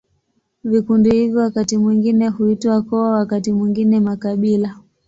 Vikundi hivi wakati mwingine huitwa koo, wakati mwingine makabila.